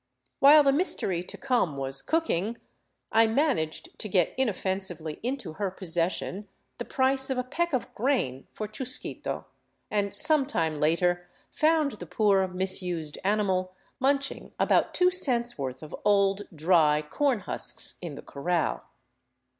! While the mystery to come was cooking, I managed to get inoffen 371 VAGABONDING DOWN THE ANDES sively into her possession the price of a peck of grain for Chusquito — and some time later found the poor, misused animal munching about two cents' worth of old, dry corn husks in the corral.